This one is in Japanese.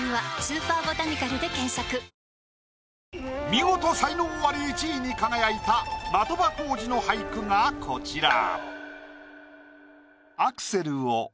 見事才能アリ１位に輝いた的場浩司の俳句がこちら。